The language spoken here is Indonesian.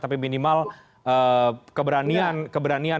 tapi minimal keberanian